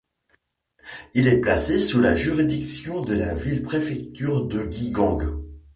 Il est placé sous la juridiction de la ville-préfecture de Guigang.